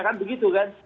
kan begitu kan